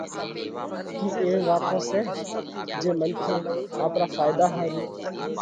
ڪي ايوي واتون سئہ جي منکي آپرا ڦائيۮا ۿارُو